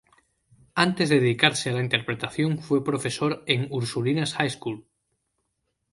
Antes de dedicarse a la interpretación fue profesor en el Ursulinas High School.